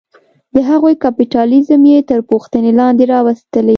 د هغوی کیپیټالیزم یې تر پوښتنې لاندې راوستلې.